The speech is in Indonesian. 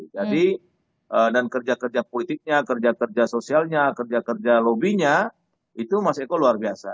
jadi dan kerja kerja politiknya kerja kerja sosialnya kerja kerja lobbynya itu mas eko luar biasa